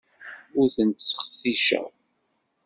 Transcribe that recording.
Ur tent-sxenticeɣ.